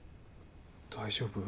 大丈夫？